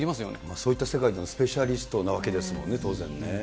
そういった世界のスペシャリストなわけですもんね、当然ね。